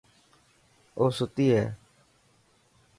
اوستي هي.